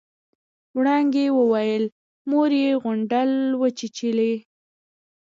وړانګې وويل مور يې غونډل وچېچلې.